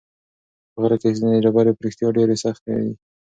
په غره کې ځینې ډبرې په رښتیا ډېرې سختې دي.